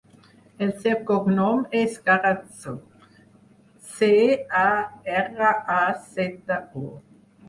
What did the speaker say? El seu cognom és Carazo: ce, a, erra, a, zeta, o.